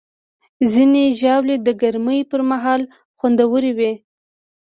ځینې ژاولې د ګرمۍ پر مهال خوندورې وي.